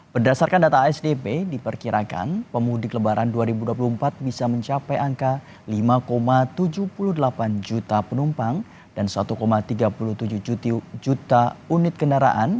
berdasarkan data asdp diperkirakan pemudik lebaran dua ribu dua puluh empat bisa mencapai angka lima tujuh puluh delapan juta penumpang dan satu tiga puluh tujuh juta unit kendaraan